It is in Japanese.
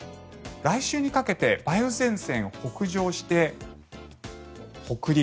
来週にかけて梅雨前線、北上して北陸、